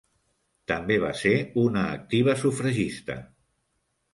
També va ser una activa sufragista.